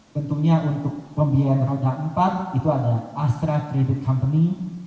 tentunya untuk pembiayaan roda empat itu adalah astra credit company